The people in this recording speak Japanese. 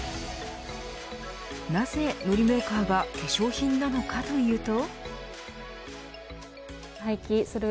なぜ、のりメーカーが化粧品なのかというと。